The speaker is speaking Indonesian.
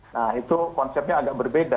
nah itu konsepnya agak berbeda